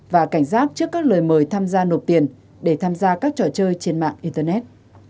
và cảnh giác trước các lời mời tham gia nộp tiền để tham gia các trò chơi trên mạng internet